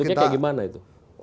bentuknya kayak gimana itu